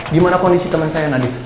gimana kondisi teman saya nadif